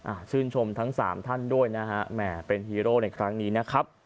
ชื่นชมทั้งสามท่านด้วยนะฮะแหมเป็นฮีโร่ในครั้งนี้นะครับ